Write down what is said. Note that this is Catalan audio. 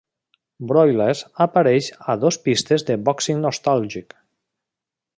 Broyles apareix a dos pistes de Boxing Nostalgic.